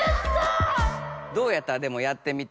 どうやった？でもやってみて。